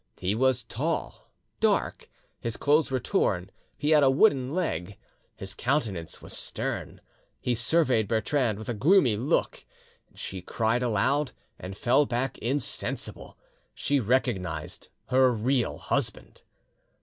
He was tall, dark; his clothes were torn; he had a wooden leg; his countenance was stern. He surveyed Bertrande with a gloomy look: she cried aloud, and fell back insensible; ... she recognised her real husband!